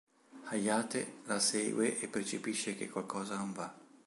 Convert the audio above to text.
Hayate la segue e percepisce che qualcosa non va.